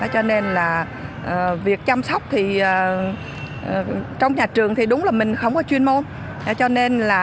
cho nên là việc chăm sóc thì trong nhà trường thì đúng là mình không có chuyên môn